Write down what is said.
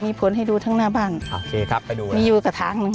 มีผลให้ดูทั้งหน้าบ้านโอเคครับไปดูมีอยู่กระถางหนึ่ง